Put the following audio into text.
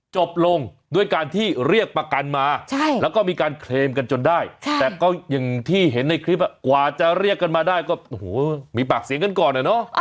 จบลงด้วยการที่เรียกประกันมาแล้วก็มีการเคลมกันจนได้แต่ก็อย่างที่เห็นในคลิปกว่าจะเรียกกันมาได้ก็มีปากเสียงกันก่อนอะเนาะ